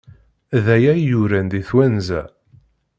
Daya i yuran di twenza.